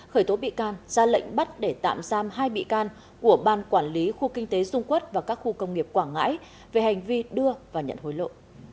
khởi tố bị can ra lệnh bắt để tạm giam hai bị can của ban quản lý khu kinh tế dung quốc và các khu công nghiệp quảng ngãi về hành vi đưa và nhận hối lộ